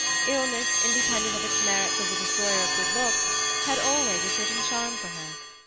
Illness, inde pendent of its merit as a destroyer of good looks, had always a certain charm for her.